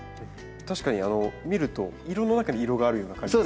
確かに見ると色の中に色があるような感じですね。